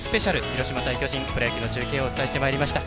広島対巨人、プロ野球の中継をお伝えしてまいりました。